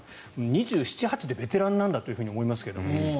２７、２８でベテランなんだと思いますけれども。